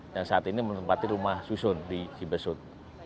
yang saat ini menempati rumah susun di cibesut